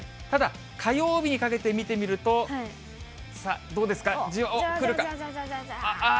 ただ、火曜日にかけて見てみると、さあどうですか、来るか？